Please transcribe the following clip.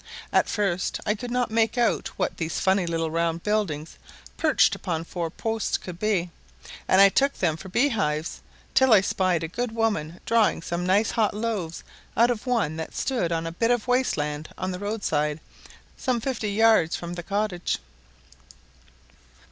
At first I could not make out what these funny little round buildings, perched upon four posts, could be; and I took them for bee hives till I spied a good woman drawing some nice hot loaves out of one that stood on a bit of waste land on the roadside, some fifty yards from the cottage.